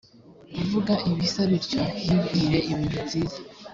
uvuga ibisa bityo yibwire ibintu byiza